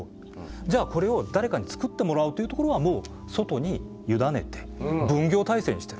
じゃあこれを誰かにつくってもらうというところはもう外に委ねて分業体制にしてる。